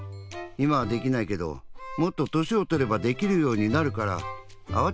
いまはできないけどもっととしをとればできるようになるからあわてないでよ。